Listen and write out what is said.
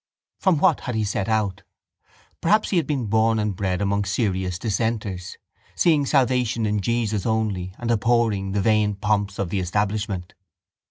From what had he set out? Perhaps he had been born and bred among serious dissenters, seeing salvation in Jesus only and abhorring the vain pomps of the establishment.